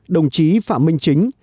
đồng chí phạm minh chính